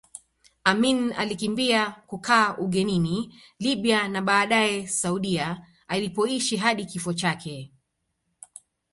Amin alikimbia kukaa ugenini Libya na baadae Saudia alipoishi hadi kifo chake